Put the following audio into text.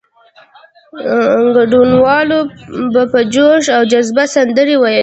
ګډونوالو به په جوش او جذبه سندرې ویلې.